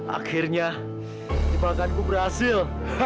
akhirnya tipe laganku berhasil